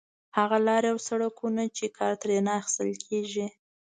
هغه لارې او سړکونه چې کار ترې نه اخیستل کېږي.